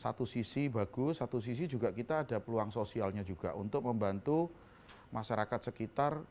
satu sisi bagus satu sisi juga kita ada peluang sosialnya juga untuk membantu masyarakat sekitar